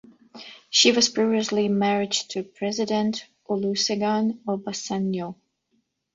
She was previously married to President Olusegun Obasanjo.